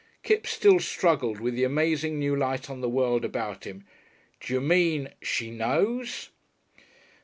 Kipps still struggled with the amazing new light on the world about him. "D'you mean she knows?"